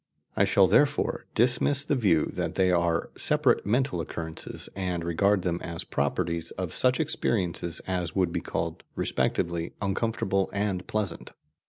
I shall therefore dismiss the view that they are separate mental occurrences, and regard them as properties of such experiences as would be called respectively uncomfortable and pleasant.